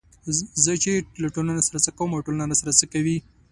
چې زه له ټولنې سره څه کوم او ټولنه راسره څه کوي